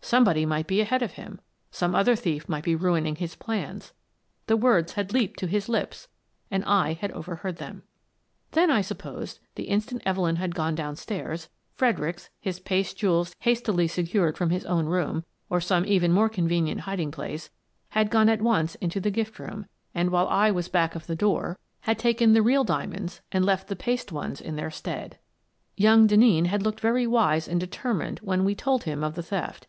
Some body might be ahead of him; some other thief might be ruining his plans. The words had leaped to his lips — and I had overheard them. Then, I supposed, the instant Evelyn had gone down stairs, Fredericks, his paste jewels hastily se cured from his own room, or some even more con venient hiding place, had gone at once into the gift room and, while I was back of the door, had taken 72 Miss Frances Baird, Detective the real diamonds and left the paste ones in their stead. •Young Denneen had looked very wise and deter mined when we told him of the theft.